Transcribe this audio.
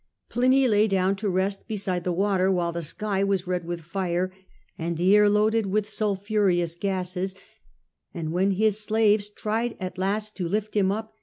Pliny lay down to rest beside the water, while the sky was red with fire and The death of the air loaded with sulphureous gases ; and PiLy^^ when his slaves tried at last to lift him up A.